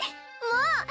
もう！